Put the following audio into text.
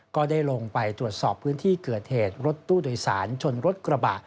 ก็ได้ลงไปตรวจสอบพื้นที่เกิดเหตุรถตู้โดยสารชนรถกระบะ